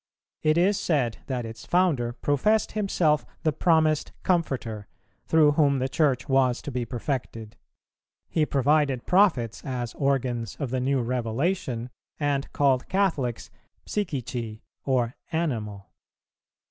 It is said that its founder professed himself the promised Comforter, through whom the Church was to be perfected; he provided prophets as organs of the new revelation, and called Catholics Psychici or animal.